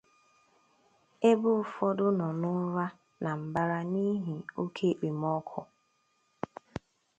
ebe ụfọdụ nọ n’ụra na mbara n’ihi oke ekpomọkụ.